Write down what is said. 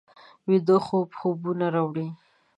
ویده خوب خوبونه راوړي